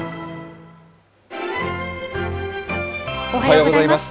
おはようございます。